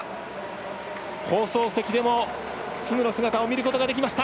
放送席でもフグの姿見ることができました。